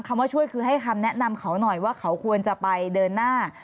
ว่าช่วยคือให้คำแนะนำเขาหน่อยว่าเขาควรจะไปเดินหน้า